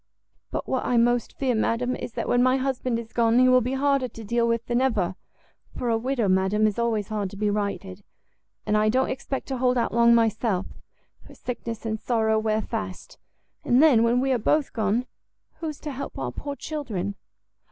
But what I most fear, madam, is that when my husband is gone, he will be harder to deal with than ever; for a widow, madam, is always hard to be righted; and I don't expect to hold out long myself, for sickness and sorrow wear fast: and then, when we are both gone, who is to help our poor children?"